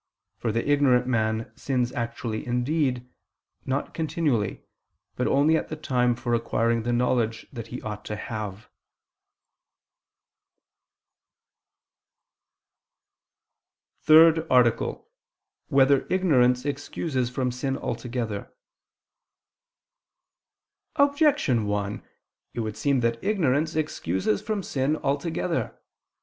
For the ignorant man sins actually indeed, not continually, but only at the time for acquiring the knowledge that he ought to have. ________________________ THIRD ARTICLE [I II, Q. 76, Art. 3] Whether Ignorance Excuses from Sin Altogether? Objection 1: It would seem that ignorance excuses from sin altogether.